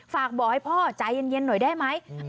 ฝากบอกให้พ่อใจเย็นหน่อยได้ไหม